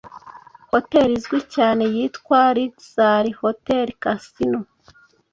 hotel izwi cyane yitwa Luxal Hotel Casino